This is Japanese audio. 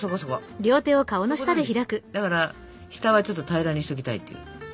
だから下はちょっと平らにしときたいっていう。